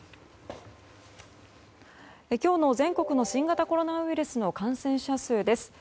今日の全国の新型コロナウイルスの感染者数です。